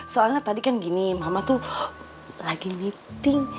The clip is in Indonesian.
soalnya tadi kan gini mama tuh lagi meeting